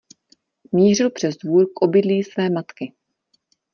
Mířil přes dvůr k obydlí své matky.